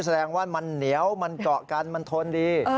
แสดงว่ามันเหนียวมันเกาะกันมันทนดี